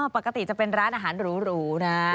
ปกติจะเป็นร้านอาหารหรูนะ